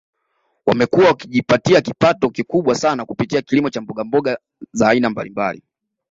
Wamekuwa wakijipatia kipato kikubwa sana kupitia kilimo cha mbogmboga za aina mbalimbali